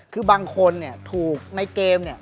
คือบางคนถูกในเกม